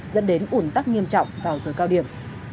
dẫn đến ủn tắc nghiêm trọng vào giờ cao điểm